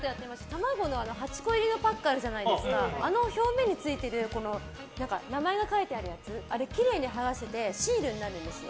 卵の８個入りのパックあるじゃないですかあの表面についてる名前が書いてるあるやつあれ、きれいにはがしてシールになるんですよ。